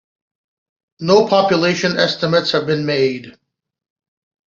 No population estimates have been made.